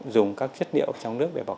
dũng các chất liệu trong nước để bảo quản